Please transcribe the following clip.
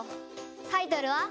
タイトルは。